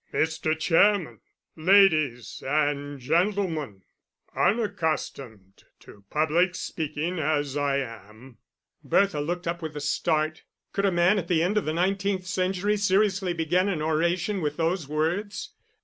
"Mr. Chairman, Ladies and Gentlemen Unaccustomed to public speaking as I am...." Bertha looked up with a start. Could a man at the end of the nineteenth century, seriously begin an oration with those words!